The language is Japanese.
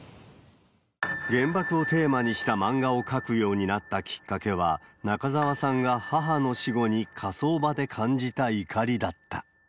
原爆をテーマにした漫画を描くようになったきっかけは、中沢さんが母の死後に火葬場で感じた怒りだった。